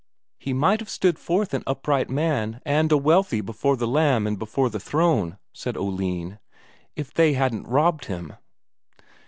"He might have stood forth an upright man and a wealthy before the Lamb and before the Throne," said Oline, "if they hadn't robbed him."